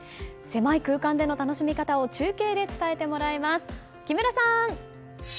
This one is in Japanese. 狭い空間での楽しみ方を中継で伝えてもらいます。